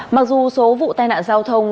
mặc dù số vụ tai nạn giao thông